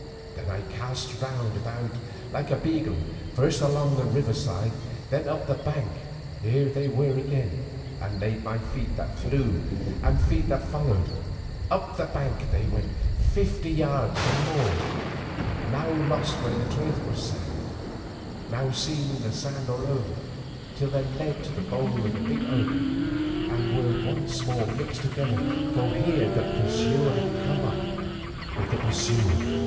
Then I cast round about like a beagle, first along the river side, then up the bank. Here they were again, and made by feet that flew and feet that followed. Up the bank they went fifty yards and more, now lost where the turf was sound, now seen in sand or loam, till they led to the bole of a big oak, and were once more mixed together, for here the pursuer had come up with the pursued.